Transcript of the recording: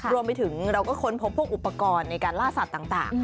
รวมไปถึงเราก็ค้นพบพวกอุปกรณ์ในการล่าสัตว์ต่าง